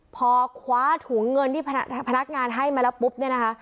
พอคว้าถุงเงินที่พนักงานให้มาแล้วปุ๊บเนี่ยนะคะ